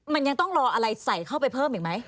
มันยังต้องรออะไรใส่เข้าไปเพิ่มอีกไหม